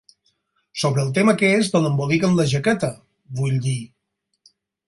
Sobre el tema aquest de l'embolic amb la jaqueta, vull dir.